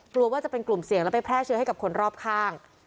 กลัวว่าจะเป็นกลุ่มเสี่ยงแล้วไปแพร่เชื้อให้กับคนรอบข้าง